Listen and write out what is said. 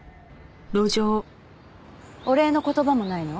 お礼の言葉もないの？